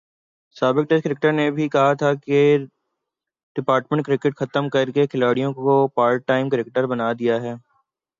سابق test cricketer نے بھی کہا تھا کہ ڈپارٹمنٹ کرکٹ ختم کر کے کھلاڑیوں کو پارٹ ٹائم کرکٹر بنادیا ہے۔